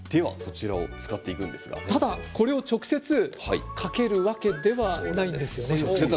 ただ、これは直接かけるわけではないんですね。